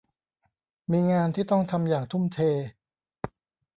มีงานที่ต้องทำอย่างทุ่มเท